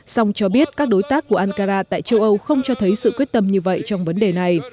song cho biết các đối tác của ankara tại châu âu không cho thấy sự quyết tâm như vậy trong vấn đề này